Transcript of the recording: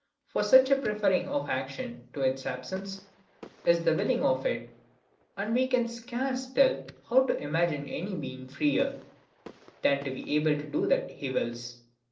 For such a preferring of action to its absence, is the willing of it: and we can scarce tell how to imagine any being freer, than to be able to do what he wills.